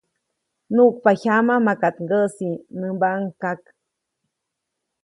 ‒nuʼkpa jyama, ¡maka ŋgäʼsi!‒ nämbaʼuŋ kak.